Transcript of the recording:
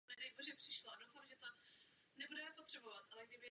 Poté budeme pokračovat vysvětlováním hlasování.